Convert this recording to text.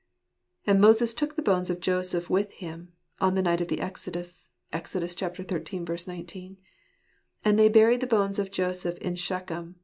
" And Moses took the bones of Joseph with him," on the night of the exodus (Exod. xiii. 19) ■" and they buried the bones of Joseph in Shechem